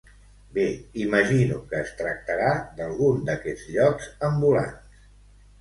Bé, imagino que es tractarà d'algun d'aquests llocs ambulants.